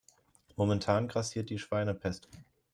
Momentan grassiert die Schweinepest.